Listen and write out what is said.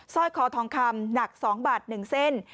ร้อยคอทองคำหนัก๒บาท๑เส้น